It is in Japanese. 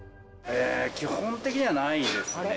基本的にはないですね。